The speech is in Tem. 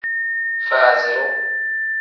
Faaziru.